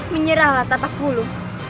menyerahlah tatap bulu